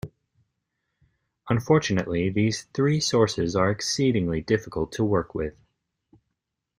Unfortunately, these three sources are exceedingly difficult to work with.